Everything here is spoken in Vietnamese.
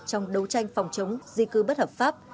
trong đấu tranh phòng chống di cư bất hợp pháp